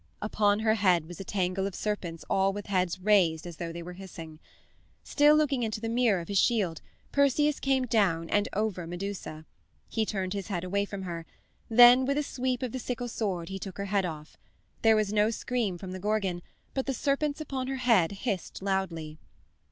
Upon her head was a tangle of serpents all with heads raised as though they were hissing. Still looking into the mirror of his shield Perseus came down and over Medusa. He turned his head away from her. Then, with a sweep of the sickle sword he took her head off. There was no scream from the Gorgon, but the serpents upon her head hissed loudly.